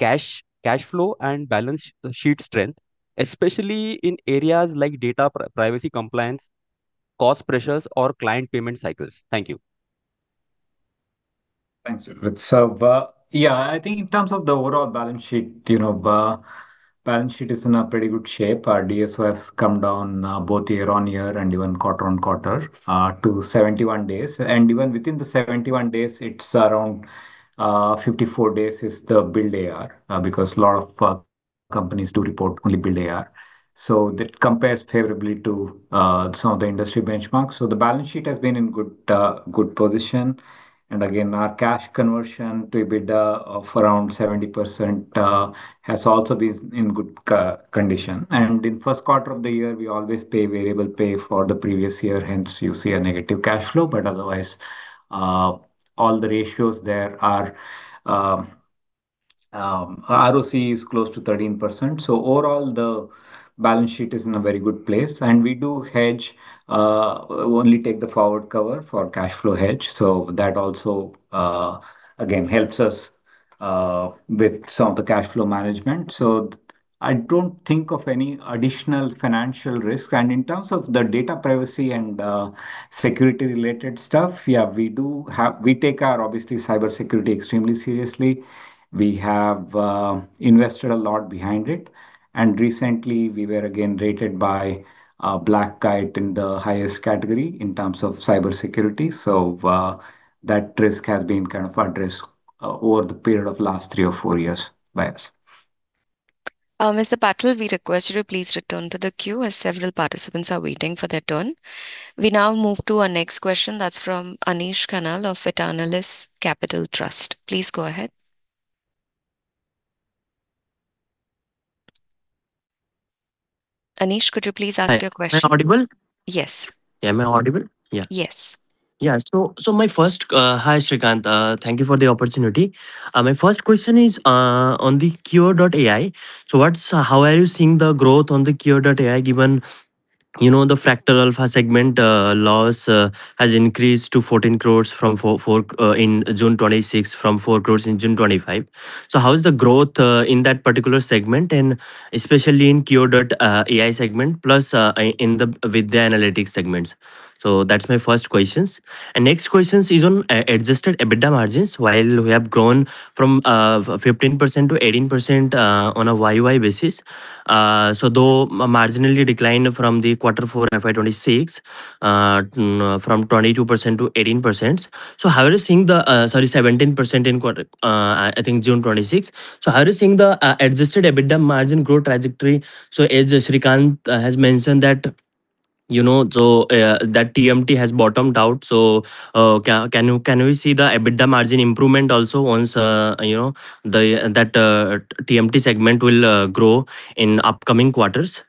cash flow and balance sheet strength, especially in areas like data privacy compliance, cost pressures, or client payment cycles. Thank you. Thanks, Sucrit. Yeah, I think in terms of the overall balance sheet, balance sheet is in a pretty good shape. Our DSO has come down both year-over-year and even quarter-over-quarter to 71 days. Even within the 71 days, it's around 54 days is the bill AR, because a lot of companies do report only bill AR. That compares favorably to some of the industry benchmarks. The balance sheet has been in good position. Again, our cash conversion to EBITDA of around 70% has also been in good condition. In first quarter of the year, we always pay variable pay for the previous year, hence you see a negative cash flow. Otherwise, all the ratios there are. ROCE is close to 13%. Overall, the balance sheet is in a very good place. We do hedge, only take the forward cover for cash flow hedge. That also, again, helps us with some of the cash flow management. I don't think of any additional financial risk. In terms of the data privacy and security-related stuff, yeah, we take our, obviously, cybersecurity extremely seriously. We have invested a lot behind it. Recently, we were again rated by Black Kite in the highest category in terms of cybersecurity. That risk has been kind of addressed over the period of last three or four years by us. Mr. Patil, we request you to please return to the queue as several participants are waiting for their turn. We now move to our next question that is from Anish Khanal of Eternalis Capital Trust. Please go ahead. Anish, could you please ask your question? Hi. Am I audible? Yes. Am I audible? Yeah. Yes. Yeah. Hi, Srikanth. Thank you for the opportunity. My first question is on the Qure.ai. So how are you seeing the growth on the Qure.ai, given the Fractal Alpha segment loss has increased to 14 crore in June 2026 from 4 crore in June 2025? So how is the growth in that particular segment, and especially in Qure.ai segment, plus with the analytics segments? So that is my first questions. Next questions is on adjusted EBITDA margins. While we have grown from 15%-18% on a YoY basis, though marginally declined from the quarter four FY 2026 from 22% to 18%. Sorry, 17% I think June 2026. So how are you seeing the adjusted EBITDA margin growth trajectory? As Srikanth has mentioned that TMT has bottomed out, so can we see the EBITDA margin improvement also once that TMT segment will grow in upcoming quarters?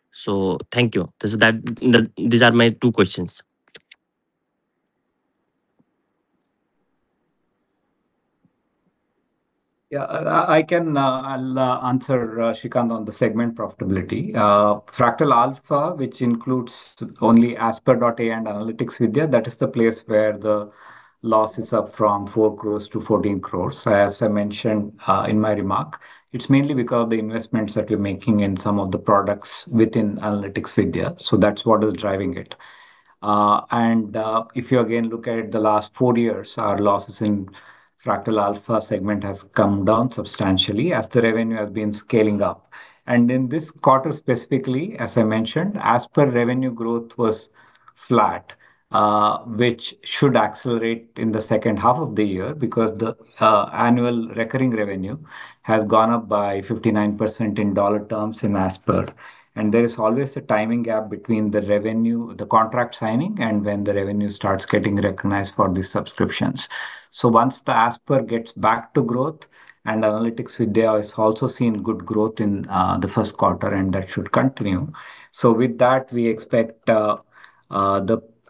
Thank you. These are my two questions. I'll answer, Srikanth, on the segment profitability. Fractal Alpha, which includes only Asper.ai and Analytics Vidhya, that is the place where the loss is up from 4 crore to 14 crore. As I mentioned in my remark, it's mainly because of the investments that we're making in some of the products within Analytics Vidhya. That's what is driving it. If you again look at the last four years, our losses in Fractal Alpha segment has come down substantially as the revenue has been scaling up. In this quarter specifically, as I mentioned, Asper revenue growth was flat, which should accelerate in the second half of the year because the annual recurring revenue has gone up by 59% in dollar terms in Asper. There is always a timing gap between the revenue, the contract signing, and when the revenue starts getting recognized for the subscriptions. Once the Asper gets back to growth, Analytics Vidhya has also seen good growth in the first quarter, and that should continue. With that, we expect the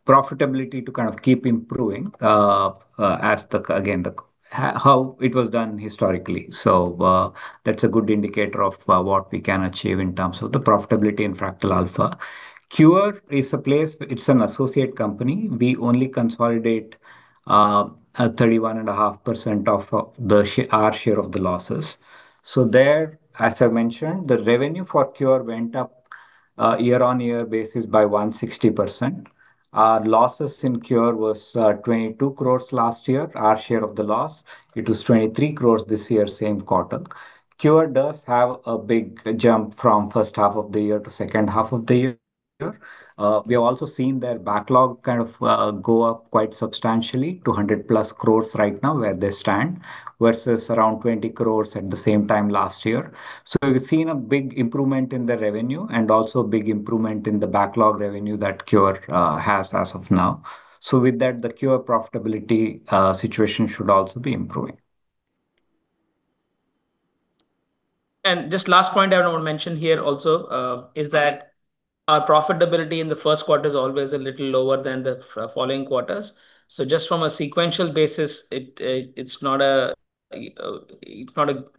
profitability to kind of keep improving as, again, how it was done historically. That's a good indicator of what we can achieve in terms of the profitability in Fractal Alpha. Qure.ai is an associate company. We only consolidate 31.5% of our share of the losses. There, as I mentioned, the revenue for Qure.ai went up year-on-year basis by 160%. Losses in Qure.ai was 22 crore last year, our share of the loss. It was 23 crore this year, same quarter. Qure.ai does have a big jump from first half of the year to second half of the year. We have also seen their backlog kind of go up quite substantially to 100+ crore right now where they stand, versus around 20 crore at the same time last year. With that, the Qure.ai profitability situation should also be improving. Just last point I want to mention here also is that our profitability in the first quarter is always a little lower than the following quarters. Just from a sequential basis, It's not a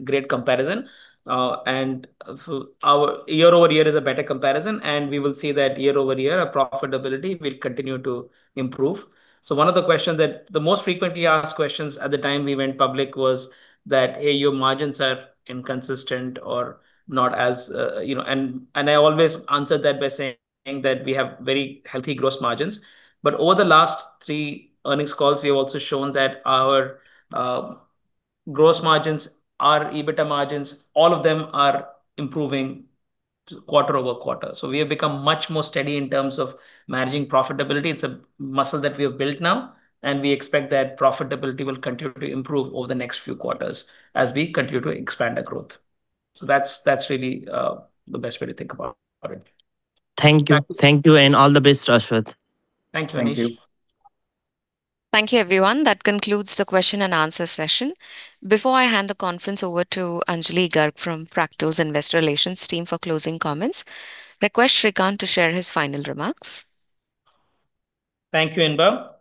great comparison. Our year-over-year is a better comparison, and we will see that year-over-year, our profitability will continue to improve. One of the most frequently asked questions at the time we went public was that, A, your margins are inconsistent or not as. I always answered that by saying that we have very healthy gross margins. Over the last three earnings calls, we have also shown that our gross margins, our EBITDA margins, all of them are improving quarter-over-quarter. We have become much more steady in terms of managing profitability. It's a muscle that we have built now, and we expect that profitability will continue to improve over the next few quarters as we continue to expand our growth. That's really the best way to think about it. Thank you. Thank you. Thank you, and all the best, Ashwath. Thank you, Anish. Thank you. Thank you, everyone. That concludes the question and answer session. Before I hand the conference over to Anjali Garg from Fractal's Investor Relations team for closing comments, request Srikanth to share his final remarks. Thank you, Inba.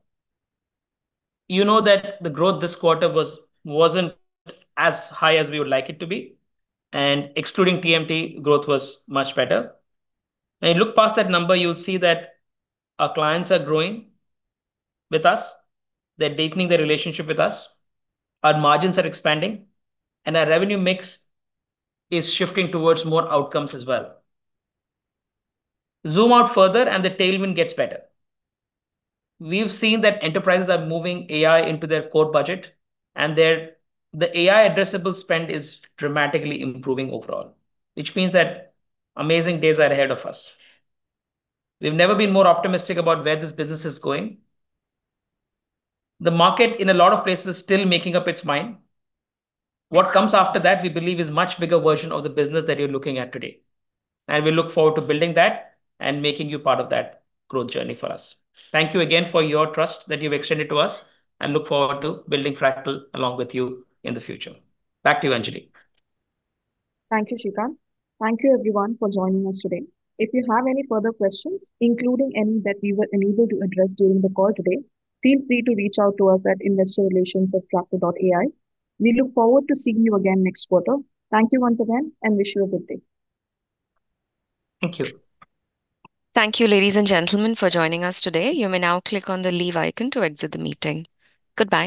You know that the growth this quarter wasn't as high as we would like it to be. Excluding TMT, growth was much better. When you look past that number, you'll see that our clients are growing with us. They're deepening their relationship with us. Our margins are expanding. Our revenue mix is shifting towards more outcomes as well. Zoom out further. The tailwind gets better. We've seen that enterprises are moving AI into their core budget. The AI addressable spend is dramatically improving overall, which means that amazing days are ahead of us. We've never been more optimistic about where this business is going. The market in a lot of places is still making up its mind. What comes after that, we believe, is much bigger version of the business that you're looking at today. We look forward to building that and making you part of that growth journey for us. Thank you again for your trust that you've extended to us. We look forward to building Fractal along with you in the future. Back to you, Anjali. Thank you, Srikanth. Thank you everyone for joining us today. If you have any further questions, including any that we were unable to address during the call today, feel free to reach out to us at investorrelations@fractal.ai. We look forward to seeing you again next quarter. Thank you once again. We wish you a good day. Thank you. Thank you, ladies and gentlemen, for joining us today. You may now click on the leave icon to exit the meeting. Goodbye.